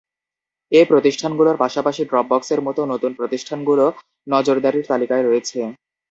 এ প্রতিষ্ঠানগুলোর পাশাপাশি ড্রপবক্সের মতো নতুন প্রতিষ্ঠানগুলো নজরদারির তালিকায় রয়েছে।